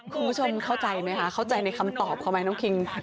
คุณผู้ชมเข้าใจไหมคะเข้าใจในคำตอบเขาไหมน้องคิง